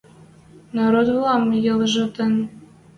Народвлӓм ӹлӹжтен.